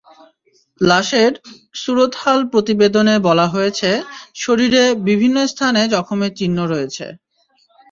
লাশের সুরতহাল প্রতিবেদনে বলা হয়েছে, শরীরে বিভিন্ন স্থানে জখমের চিহ্ন রয়েছে।